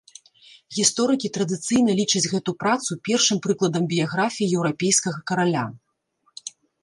Гісторыкі традыцыйна лічаць гэту працу першым прыкладам біяграфіі еўрапейскага караля.